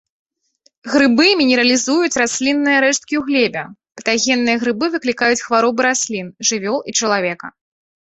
Грыбы мінералізуюць раслінныя рэшткі ў глебе, патагенныя грыбы выклікаюць хваробы раслін, жывёл і чалавека.